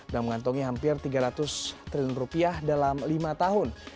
dan mengantongi hampir rp tiga ratus triliun dalam lima tahun